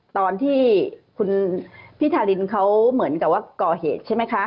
ตอนที่คุณพี่ทารินเขาเหมือนกับว่าก่อเหตุใช่ไหมคะ